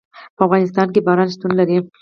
په افغانستان کې باران شتون لري.